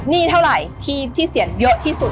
หนี้เท่าไหร่ที่เสียเยอะที่สุด